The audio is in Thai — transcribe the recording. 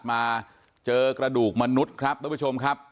มาเจอกระดูกมนุษย์ครับตัวที่ชมครับ